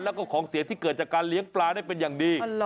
แล้วก็ของเสียที่เกิดจากการเลี้ยงปลาได้เป็นอย่างดี